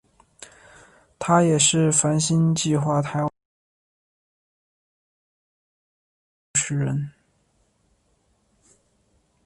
他也是泛星计画台湾团队的其中一位共同主持人。